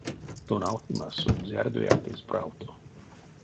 Тонавтнемас сон зярдояк эзь правто.